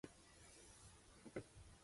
诸皇子叩首恳求。